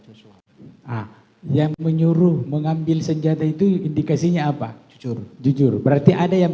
sesuatu yang menyuruh mengambil senjata itu indikasinya apa jujur jujur berarti ada yang